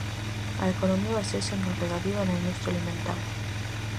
A economía baséase no regadío e na industria alimentaria.